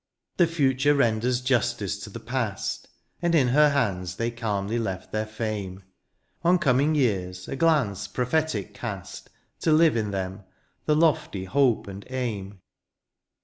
The future renders justice to the past, And in her hands they calmly left their fame ; On coming years a glance prophetic cast. To live in them^ their lofty hope and aim.